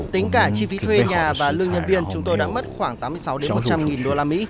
tính cả chi phí thuê nhà và lương nhân viên chúng tôi đã mất khoảng tám mươi sáu một trăm linh nghìn đô la mỹ